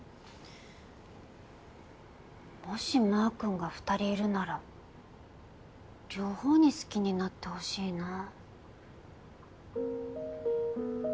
もしマー君が２人いるなら両方に好きになってほしいなぁ。